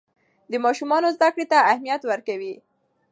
د ماشومانو زده کړې ته اهمیت ورکوي.